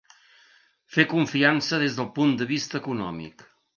Fer confiança des del punt de vista econòmic.